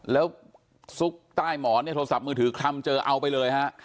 แล้วซุกใต้หมอนเนี่ยโทรศัพท์มือถือคลำเจอเอาไปเลยฮะ